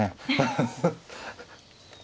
ハハハハ。